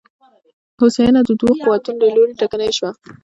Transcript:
هوساینه د دوو قوتونو له لوري ټکنۍ شوه.